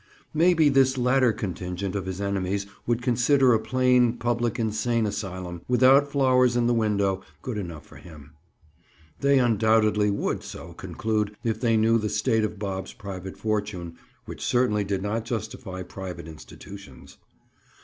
Maybe this latter contingent of his enemies would consider a plain, public insane asylum, without flowers in the window, good enough for him. They, undoubtedly, would so conclude if they knew the state of Bob's private fortune, which certainly did not justify private institutions.